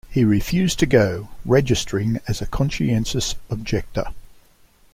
He refused to go, registering as a conscientious objector.